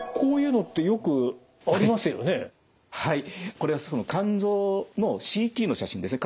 これは肝臓のＣＴの写真ですね。